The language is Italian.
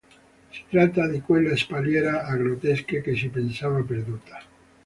Si tratta di quella "spalliera a grottesche" che si pensava perduta.